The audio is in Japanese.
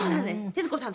徹子さん